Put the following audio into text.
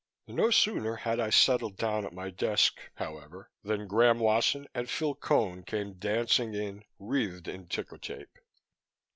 No sooner had I settled down at my desk, however, than Graham Wasson and Phil Cone came dancing in, wreathed in tickertape.